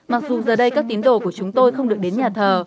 mặc dù giờ đây các tín đồ của chúng tôi không được đến nhà thờ